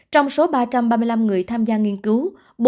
trong số ba trăm ba mươi năm người tham gia nghiên cứu